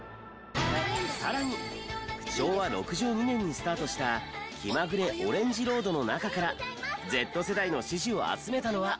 更に昭和６２年にスタートした『きまぐれオレンジ☆ロード』の中からＺ世代の支持を集めたのは。